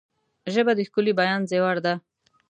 ژبه د ښکلي بیان زیور ده